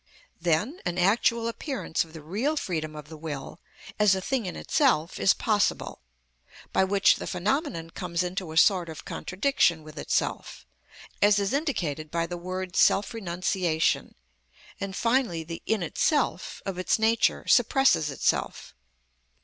Then an actual appearance of the real freedom of the will as a thing in itself is possible, by which the phenomenon comes into a sort of contradiction with itself, as is indicated by the word self renunciation; and, finally, the "in itself" of its nature suppresses itself.